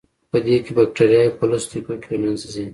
پدې کې بکټریاوې په لسو دقیقو کې له منځه ځي.